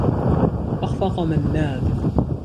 أخفق منّاد.